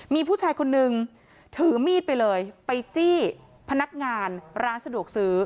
มีผู้ชายคนนึงถือมีดไปเลยไปจี้พนักงานร้านสะดวกซื้อ